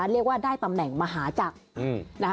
เรียกว่าได้ตำแหน่งมหาจักรนะคะ